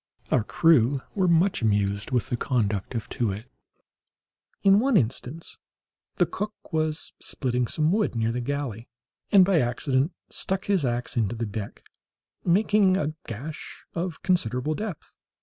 Our crew were much amused with the conduct of Too wit in one instance. The cook was splitting some wood near the galley, and, by accident, struck his axe into the deck, making a gash of considerable depth.